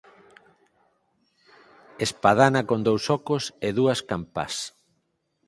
Espadana con dous ocos e dúas campás.